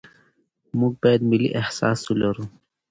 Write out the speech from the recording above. موږ باید ملي احساس ولرو.